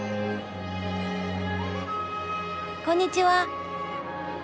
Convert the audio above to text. こんにちは。